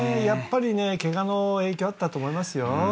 やっぱりねケガの影響あったと思いますよ。